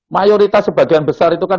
mayoritas sebagian besar itu kan